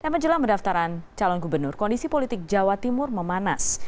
menjelang pendaftaran calon gubernur kondisi politik jawa timur memanas